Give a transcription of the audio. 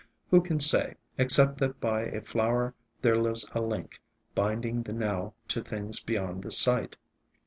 Who can say, except that by a flower there lives a link, binding the now to things beyond the sight.